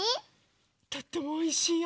とってもおいしいよ。